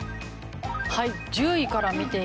はい。